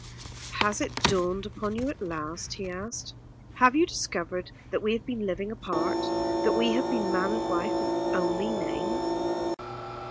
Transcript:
"Has it dawned upon you at last?" he asked. "Have you discovered that we have been living apart; that we have been man and wife only in name?"